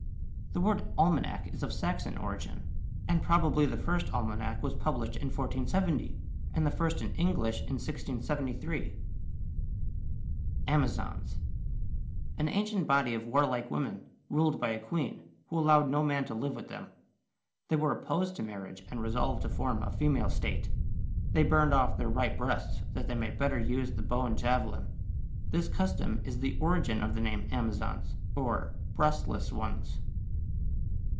= The word "almanac" is of Saxon origin, and probably the first almanac was published in 1470, and the first in English in 1673. =Amazons.= An ancient body of warlike women, ruled by a queen, who allowed no man to live with them. They were opposed to marriage and resolved to form a female state. They burned off their right breasts that they might better use the bow and javelin. This custom is the origin of the name "Amazons" or "breastless ones."